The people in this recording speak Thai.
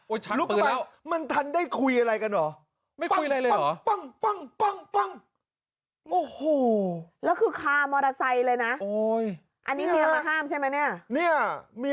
โอ้ยชักปืนแล้วลุกกันไปมันทันได้คุยอะไรกันเหรอ